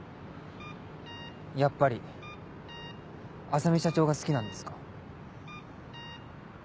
やっぱり浅海社長が好きなんですか？